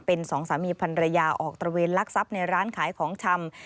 เป็น๒สามีพันธุ์ระยาออกตระเวนลักษับในร้านขายของชำ